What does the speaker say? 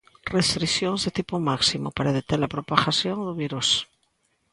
Restricións de tipo máximo, para deter a propagación do virus.